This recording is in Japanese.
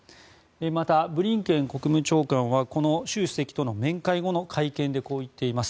また、ブリンケン国務長官はこの習主席との面会後の会見でこう言っています。